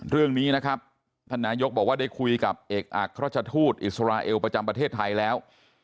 เรื่องนี้นะครับท่านนายกบอกว่าได้คุยกับเอกอักราชทูตอิสราเอลประจำประเทศไทยแล้ว